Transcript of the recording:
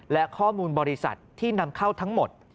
และข้อมูลบริษัทที่นำเข้าทั้งหมด